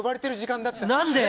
何で？